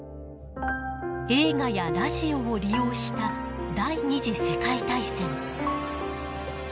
映画やラジオを利用した第二次世界大戦。